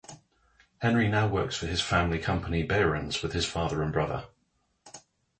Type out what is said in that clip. Henry now works for his family company Behrens with this Father and Brother